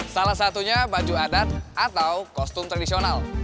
salah satunya baju adat atau kostum tradisional